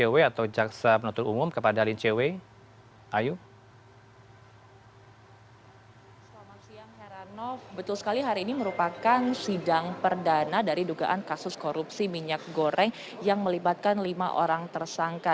selamat siang heranov betul sekali hari ini merupakan sidang perdana dari dugaan kasus korupsi minyak goreng yang melibatkan lima orang tersangka